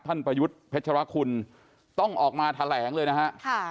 ประยุทธ์เพชรคุณต้องออกมาแถลงเลยนะฮะ